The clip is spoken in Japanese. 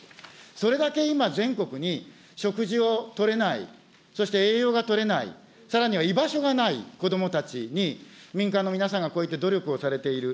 それだけ今、全国に食事をとれない、そして栄養がとれない、さらには居場所がない子どもたちに、民間の皆さんがこういって努力をされている。